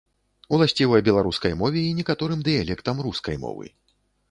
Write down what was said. Уласціва беларускай мове і некаторым дыялектам рускай мовы.